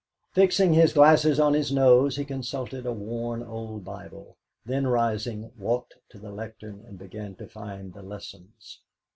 Fixing his glasses on his nose, he consulted a worn old Bible, then rising, walked to the lectern and began to find the Lessons.